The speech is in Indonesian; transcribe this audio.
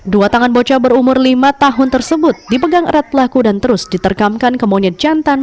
dua tangan bocah berumur lima tahun tersebut dipegang erat pelaku dan terus diterkamkan ke monyet jantan